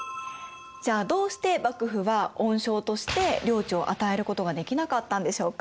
じゃあどうして幕府は恩賞として領地を与えることができなかったんでしょうか？